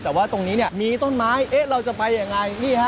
แต่ว่าตรงนี้เนี่ยมีต้นไม้เราจะไปยังไง